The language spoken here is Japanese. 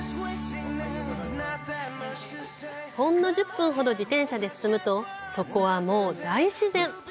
ほんの１０分ほど自転車で進むとそこはもう大自然。